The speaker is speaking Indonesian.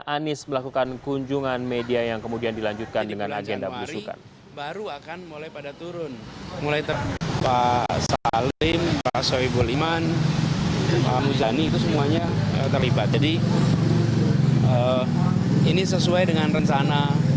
anis melakukan kunjungan media yang kemudian dilanjutkan dengan agenda berusukan